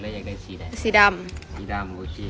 และยังไงสีใดสีดำสีดำโอเค